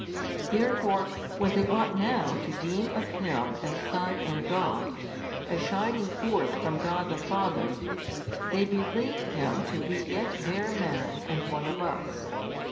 Therefore when they ought now to deem of Him as Son and God, as shining forth from God the Father, they believe Him to be yet bare man and one of us.